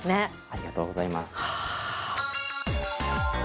ありがとうございます。